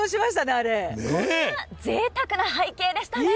あれはぜいたくな背景でしたね。